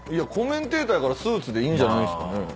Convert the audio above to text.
コメンテーターやからスーツでいいんじゃないですかね？